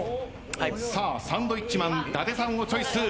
サンドウィッチマン伊達さんをチョイス。